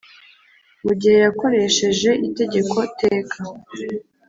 Mu gihe yakoresheje itegeko teka